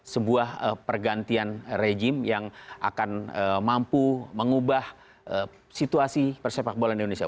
sebuah pergantian rejim yang akan mampu mengubah situasi persepak bola indonesia